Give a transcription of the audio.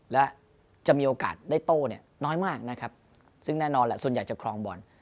และจะมีโอกาสได้โต้เนี่ยน้อยมากนะครับซึ่งแน่นอนแหละส่วนใหญ่จะครองบอล